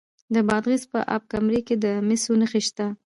د بادغیس په اب کمري کې د مسو نښې شته.